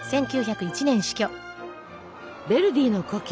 ヴェルディの故郷